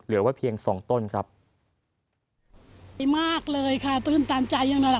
เหลือว่าเพียงสองต้นครับดีมากเลยค่ะตื้นตามใจอย่างหน่อยล่ะ